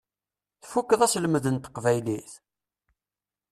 Tfukkeḍ aselmed n teqbaylit?